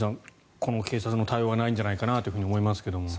この警察の対応はないんじゃないかと思いますが。